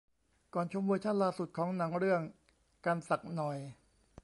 ก่อนชมเวอร์ชั่นล่าสุดของหนังเรื่อง กันสักหน่อย